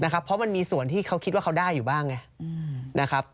เพราะมันมีส่วนที่เขาคิดว่าเขาได้อยู่บ้างไงนะครับ